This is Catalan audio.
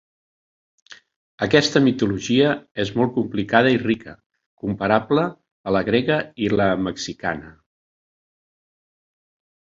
Aquesta mitologia és molt complicada i rica, comparable a la grega i la mexicana.